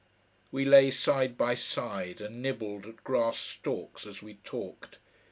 We lay side by side and nibbled at grass stalks as we talked.